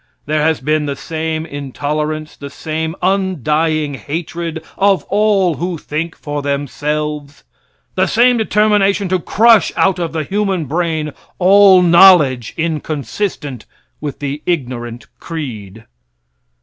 There has been the same intolerance, the same undying hatred of all who think for themselves, the same determination to crush out of the human brain all knowledge inconsistent with the ignorant creed.